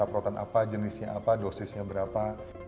aprotan apa jenisnya apa dosisnya berapa